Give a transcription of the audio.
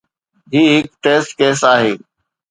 هي هڪ test case آهي.